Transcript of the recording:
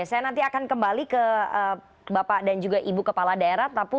saya nanti akan kembali ke bapak dan juga ibu kepala daerah